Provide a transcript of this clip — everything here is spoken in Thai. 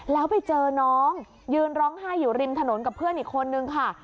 แล้วไปเจอน้องยืนร้องไห้อยู่ริมถนนกับเพื่อนอีกคนนึงค่ะ